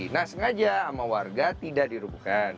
nah sengaja sama warga tidak dirubuhkan